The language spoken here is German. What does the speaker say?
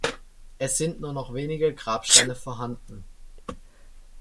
Es sind nur noch wenige Grabsteine vorhanden.